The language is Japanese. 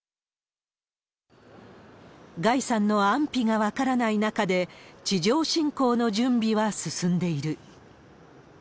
ガイさんの安否が分からない中で、地上侵攻の準備は進んでいる。